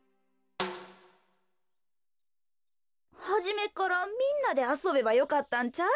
はじめっからみんなであそべばよかったんちゃう？